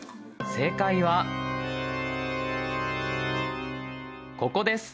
正解はここです